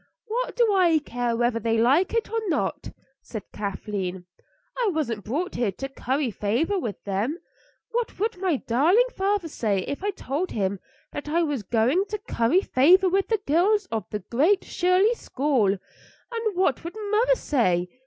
"What do I care whether they like it or not?" said Kathleen. "I wasn't brought here to curry favor with them. What would my darling father say if I told him that I was going to curry favor with the girls of the Great Shirley School? And what would mother say?